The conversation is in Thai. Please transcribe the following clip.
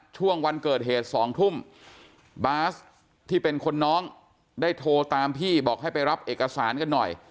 ช่วงวันเกิดเหตุ๒ทุ่มบาสที่เป็นคนน้องได้โทรตามพี่บอกให้ไปรับเอกสารกันหน่อย